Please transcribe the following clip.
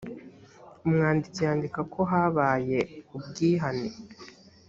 umwanditsi yandika ko habaye ubwihane